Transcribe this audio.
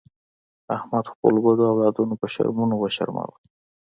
احمد خپلو بدو اولادونو په شرمونو و شرمولو.